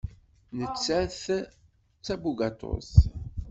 Nettat d tabugaṭut.